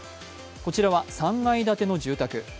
こちらは３階建ての住宅。